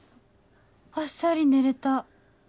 あっさり寝れた